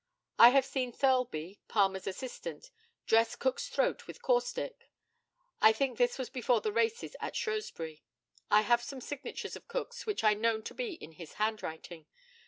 I have seen Thirlby, Palmer's assistant, dress Cook's throat with caustic. I think this was before the races at Shrewsbury. I have some signatures of Cook's which I know to be in his handwriting.